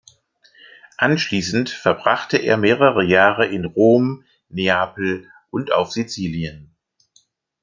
Anschließend verbrachte er mehrere Jahre in Rom, Neapel und auf Sizilien.